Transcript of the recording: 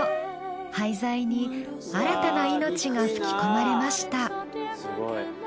廃材に新たな命が吹き込まれました。